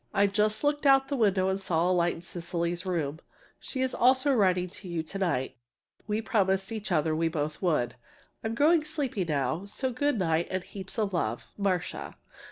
I just looked out of the window and saw a light in Cecily's room. She's also writing to you to night. We promised each other we both would. I'm growing sleepy now, so good night and heaps of love. MARCIA.